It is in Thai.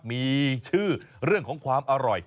มีชื่อเรื่องของความอร่อย